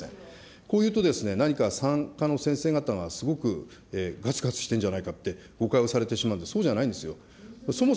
こういうと、何か産科の先生方がすごく、がつがつしてるんじゃないかって、誤解をされてしまうんで、そうじゃないんですよ。